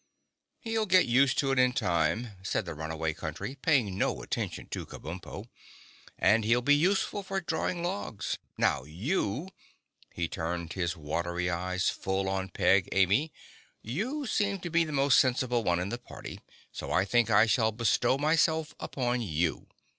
"He'll get used to it in time," said the Runaway Country, paying no attention to Kabumpo, "and he'll be useful for drawing logs. Now you," he turned his watery eyes full on Peg Amy, "you seem to be the most sensible one in the party, so I think I shall bestow myself upon you.